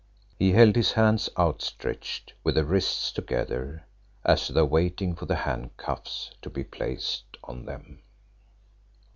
He held his hands outstretched with the wrists together as though waiting for the handcuffs to be placed on them.